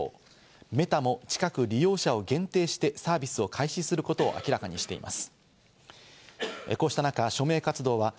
メタも近く利用者を限定してサービスを開始することを明らかにしています。